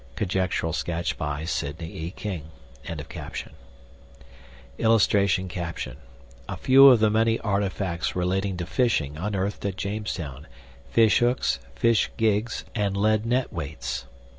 (Conjectural sketch by Sidney E. King.)] [Illustration: A FEW OF THE MANY ARTIFACTS RELATING TO FISHING UNEARTHED AT JAMESTOWN: FISHHOOKS, FISH GIGS, AND LEAD NET WEIGHTS.